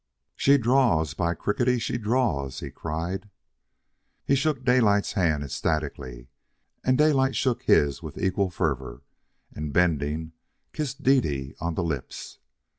"She draws! By crickey, she draws!" he cried. He shook Daylight's hand ecstatically, and Daylight shook his with equal fervor, and, bending, kissed Dede on the lips.